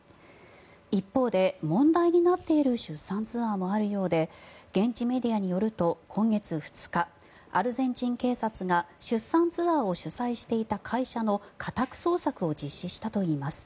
一方で問題になっている出産ツアーもあるようで現地メディアによると、今月２日アルゼンチン警察が出産ツアーを主催していた会社の家宅捜索を実施したといいます。